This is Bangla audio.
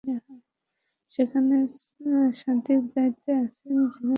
সেখানে সার্বিক দায়িত্বে আছেন জেলার অতিরিক্ত জেলা ম্যাজিস্ট্রেট শওকত আলম মজুমদার।